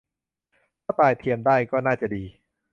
ถ้าตายเทียมได้ ก็น่าจะดี